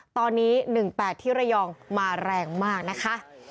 ตอนนี้๑๘ที่ระยองมาแรงมากนะคะ